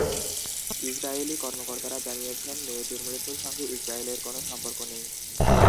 Israeli কর্মকর্তারা জানিয়েছেন, মেয়েটির মৃত্যুর সঙ্গে ইসরায়েলের কোনো সম্পর্ক নেই।